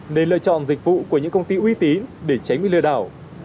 nên lựa chọn dịch vụ của những công ty uy tín để tránh bị lừa đảo